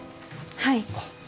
はい。